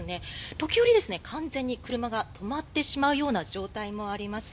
時折、完全に車が止まってしまうような状態もあります。